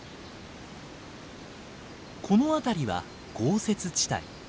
この辺りは豪雪地帯。